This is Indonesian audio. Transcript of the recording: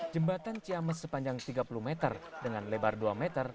jembatan ciames sepanjang tiga puluh meter dengan lebar dua meter